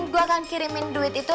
gue akan kirimin duit itu